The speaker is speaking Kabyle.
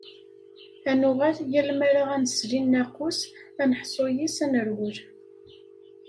Ad nuɣal, yal ma ara as-nsell i nnaqus, ad neḥṣu yis-s, ad nerwel.